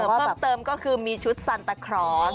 เพิ่มเติมก็คือมีชุดซันตาครอส